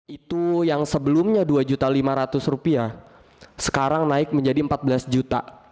itu yang sebelumnya rp dua lima ratus sekarang naik menjadi rp empat belas juta